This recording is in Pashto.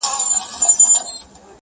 اوس به دې ټوله شپه خوږېږي هر اندام هلکه